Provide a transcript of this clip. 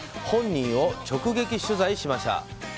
本人を直撃取材しました。